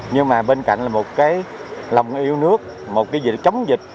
nhưng mà bên cạnh là một cái lòng yêu nước một cái gì đó chống dịch